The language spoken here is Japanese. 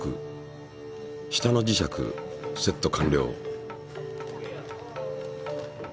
下の磁石セット完了。